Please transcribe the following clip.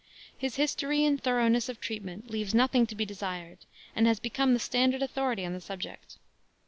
His history in thoroughness of treatment leaves nothing to be desired, and has become the standard authority on the subject.